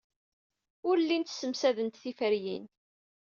Ur llint ssemsadent tiferyin.